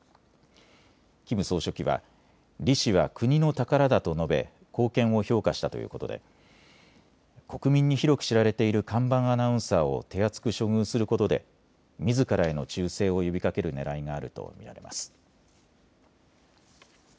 キム総書記は、リ氏は国の宝だと述べ貢献を評価したということで国民に広く知られている看板アナウンサーを手厚く処遇することでみずからへの忠誠を呼びかけるねらいがあると見られます。